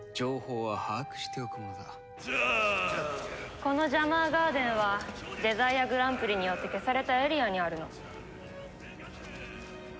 このジャマーガーデンはデザイアグランプリによって消されたエリアにあるの。